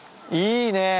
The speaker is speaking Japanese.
いいね。